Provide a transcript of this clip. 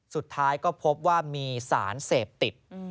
สุดท้ายก็พบว่ามีสารเสพติด